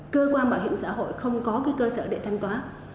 cơ quan bảo hiểm xã hội không có cái cơ sở để thanh toán thì người bệnh vẫn chờ